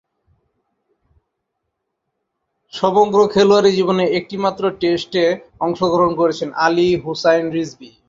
সমগ্র খেলোয়াড়ী জীবনে একটিমাত্র টেস্টে অংশগ্রহণ করেছেন আলী হুসাইন রিজভী।